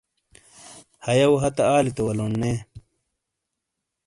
ہَیو ہتے آلی تو ولون نے۔